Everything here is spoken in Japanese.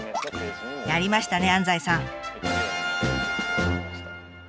やりましたね安西さん。